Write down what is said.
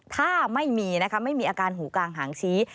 ถ้าไม่มีนะคะไม่มีอาการหูกลางหางชี้